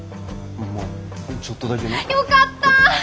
まあちょっとだけな。よかった。